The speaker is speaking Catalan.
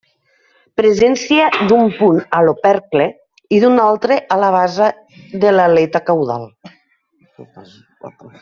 Presència d'un punt a l'opercle i d'un altre a la base de l'aleta caudal.